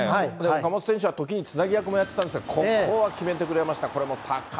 岡本選手は時につなぎもやってましたが、ここは決めてくれました。